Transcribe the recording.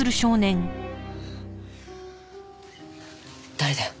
誰だよ？